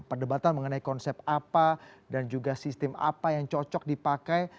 perdebatan mengenai konsep apa dan juga sistem apa yang cocok dipakai